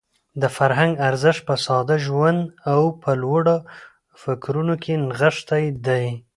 د فرهنګ ارزښت په ساده ژوند او په لوړو فکرونو کې نغښتی دی.